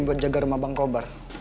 buat jaga rumah bang kobar